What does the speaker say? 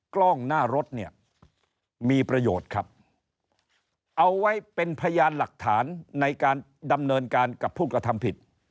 กล้องหน้ารถเนี่ยมีประโยชน์ครับเอาไว้เป็นพยานหลักฐานในการดำเนินการกับผู้กระทำผิด